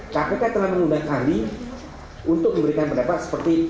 kpk telah mengundang ahli untuk memberikan pendapat seperti